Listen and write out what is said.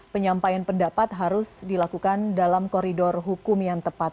penyampaian pendapat harus dilakukan dalam koridor hukum yang tepat